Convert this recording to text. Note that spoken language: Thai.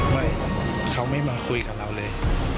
ไม่เขาไม่มาคุยกับเราเลย